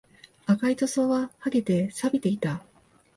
赤い塗装は剥げて、錆びていた